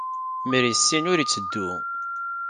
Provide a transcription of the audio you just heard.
Mer issin, ur itteddu.